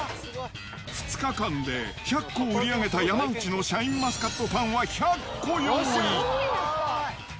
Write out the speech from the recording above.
２日間で１００個を売り上げた山内のシャインマスカットパンは、１００個用意。